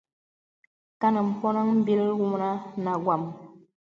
Kàn mpɔnaŋ m̀bìl wunə nà wam.